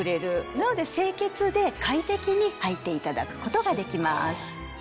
なので清潔で快適にはいていただくことができます。